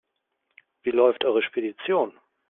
Wie läuft eure Spedition?